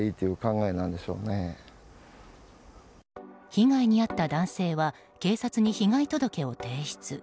被害に遭った男性は警察に被害届を提出。